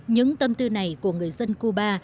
những tâm tư này của người dân cuba